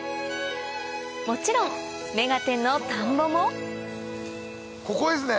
もちろん『目がテン！』の田んぼもここですね？